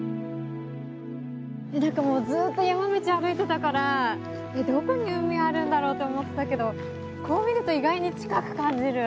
何かもうずっと山道歩いてたからどこに海あるんだろうと思ってたけどこう見ると意外に近く感じる。